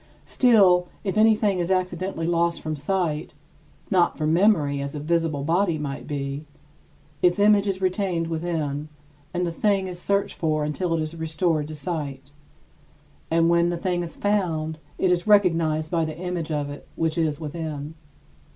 Still, if anything is accidentally lost from sight not from memory, as a visible body might be its image is retained within, and the thing is searched for until it is restored to sight. And when the thing is found, it is recognized by the image of it which is within.